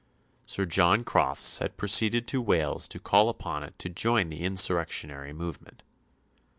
Sir John Crofts had proceeded to Wales to call upon it to join the insurrectionary movement.